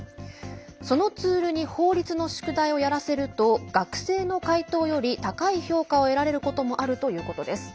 そのツールに法律の宿題をやらせると学生の回答より高い評価を得られることもあるということです。